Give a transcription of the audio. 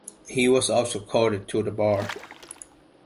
He was also called to the bar.